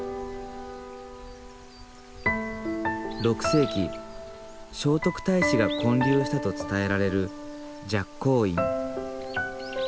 ６世紀聖徳太子が建立したと伝えられる寂光院。